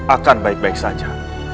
akan baik baik saja